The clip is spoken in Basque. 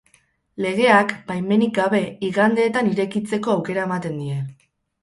Legeak, baimenik gabe, igandeetan irekitzeko aukera ematen die.